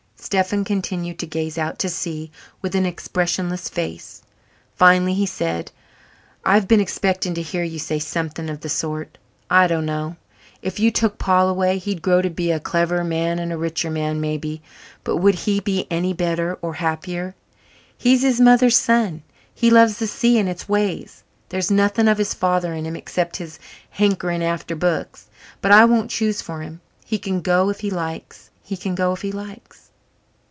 Stephen continued to gaze out to sea with an expressionless face. Finally he said: "I've been expecting to hear you say something of the sort. I don't know. If you took Paul away, he'd grow to be a cleverer man and a richer man maybe, but would he be any better or happier? He's his mother's son he loves the sea and its ways. There's nothing of his father in him except his hankering after books. But I won't choose for him he can go if he likes he can go if he likes."